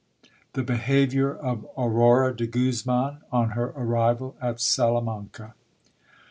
— The behaviour of Aurora de Guzman on her arrival at Salamanca.